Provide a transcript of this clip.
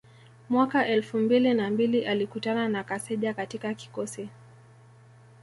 mwaka elfu mbili na mbili alikutana na Kaseja katika kikosi